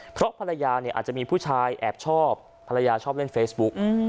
เพราะภรรยาเนี่ยอาจจะมีผู้ชายแอบชอบภรรยาชอบเล่นเฟซบุ๊ก